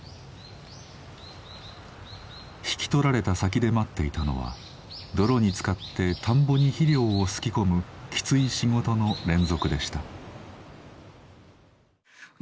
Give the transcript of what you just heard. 引き取られた先で待っていたのは泥につかって田んぼに肥料をすき込むきつい仕事の連続でした。